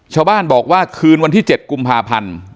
ชาวบ้านบอกว่าคืนวันที่๗กุมภาพันธ์